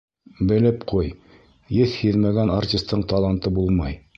Белеп ҡуй: еҫ һиҙмәгән артистың таланты булмай!